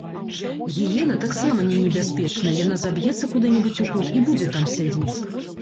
Гіена таксама не небяспечная, яна заб'ецца куды-небудзь у кут і будзе там сядзець.